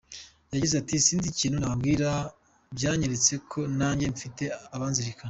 Yagize ati :”Sinzi ikintu nababwira, byanyeretse ko nanjye mfite abanzirikana.